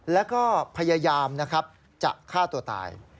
และก็พยายามจะฆ่าตัวตาย